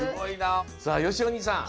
さあよしお兄さん。